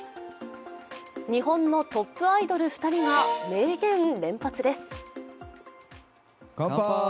日本のトップアイドル２人が迷言連発です。